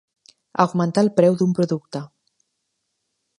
Augmentar el preu d'un producte.